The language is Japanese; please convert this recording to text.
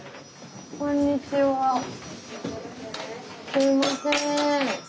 すいません。